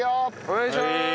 お願いします。